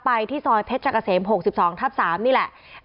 ไปที่ซอยเพชรเจ้าเกษม๖๒ทับ๓นี่แหละ